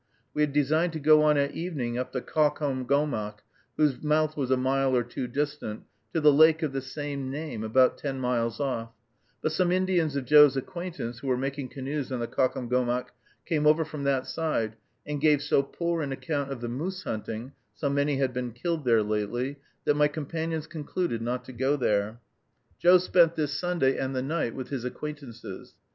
We had designed to go on at evening up the Caucomgomoc, whose mouth was a mile or two distant, to the lake of the same name, about ten miles off; but some Indians of Joe's acquaintance, who were making canoes on the Caucomgomoc, came over from that side, and gave so poor an account of the moose hunting, so many had been killed there lately, that my companions concluded not to go there. Joe spent this Sunday and the night with his acquaintances.